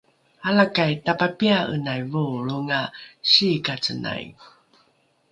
alakai tapapia’enai voolroenga siikacenai